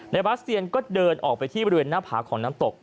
บาสเตียนก็เดินออกไปที่บริเวณหน้าผาของน้ำตก